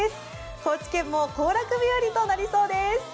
高知県も行楽日和となりそうです。